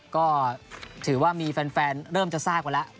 ก็ถือว่ามีแฟนเริ่มจะทราบกันแล้ว